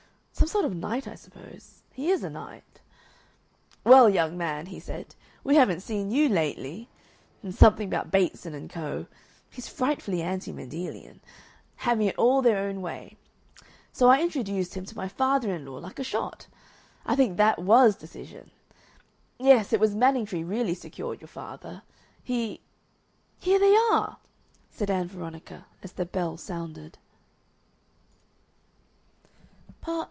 Some sort of knight, I suppose. He is a knight. 'Well, young man,' he said, 'we haven't seen you lately,' and something about 'Bateson & Co.' he's frightfully anti Mendelian having it all their own way. So I introduced him to my father in law like a shot. I think that WAS decision. Yes, it was Manningtree really secured your father. He " "Here they are!" said Ann Veronica as the bell sounded.